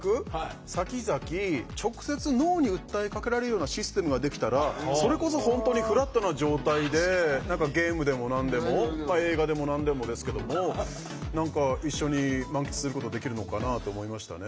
さきざき直接脳に訴えかけられるようなシステムができたらそれこそ本当にフラットな状態で何かゲームでも何でも映画でも何でもですけども何か一緒に満喫することできるのかなと思いましたね。